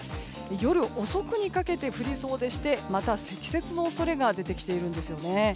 夜遅くにかけて降りそうでしてまた、積雪の恐れが出てきているんですよね。